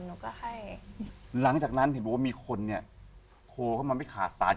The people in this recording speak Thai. หนูก็ให้หลังจากนั้นเห็นบอกว่ามีคนเนี่ยโทรเข้ามาไม่ขาดสาย